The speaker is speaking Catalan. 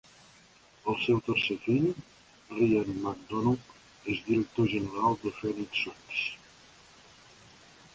El seu tercer fill, Ryan McDonough, es director general dels Phoenix Suns.